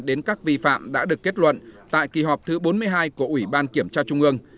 đến các vi phạm đã được kết luận tại kỳ họp thứ bốn mươi hai của ủy ban kiểm tra trung ương